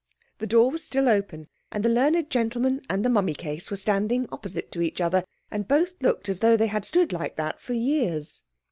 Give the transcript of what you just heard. The door was still open, and the learned gentleman and the mummy case were standing opposite to each other, and both looked as though they had stood like that for years.